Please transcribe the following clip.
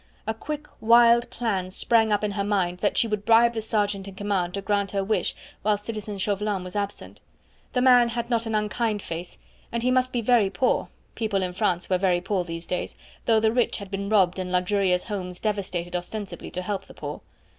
A quick, wild plan sprang up in her mind that she would bribe the sergeant in command to grant her wish while citizen Chauvelin was absent. The man had not an unkind face, and he must be very poor people in France were very poor these days, though the rich had been robbed and luxurious homes devastated ostensibly to help the poor.